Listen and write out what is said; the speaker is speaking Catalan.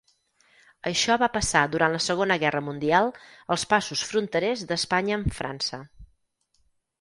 Això va passar durant la Segona Guerra Mundial als passos fronterers d'Espanya amb França.